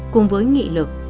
cùng với nghị lực